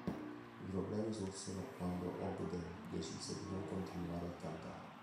I problemi sorsero quando Ogden decise di non continuare a cantare.